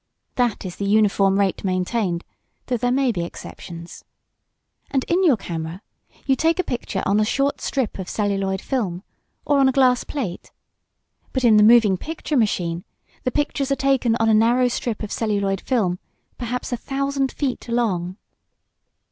That is the uniform rate maintained, though there may be exceptions. And in your camera you take a picture on a short strip of celluloid film, or on a glass plate, but in the moving picture machine the pictures are taken on a narrow strip of celluloid film perhaps a thousand feet long.